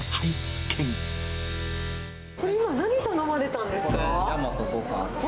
これ今、何を頼まれたんですか？